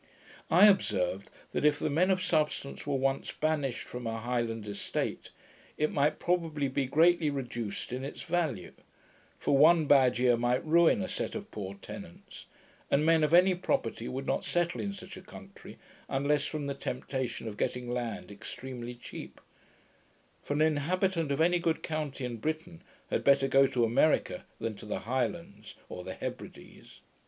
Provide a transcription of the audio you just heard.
I observed, that if the men of substance were once banished from a Highland estate, it might probably be greatly reduced in its value; for one bad year might ruin a set of poor tenants, and men of any property would not settle in such a country, unless from the temptation of getting land extremely cheap; for an inhabitant of any good county in Britain, had better go to America than to the Highlands or the Hebrides.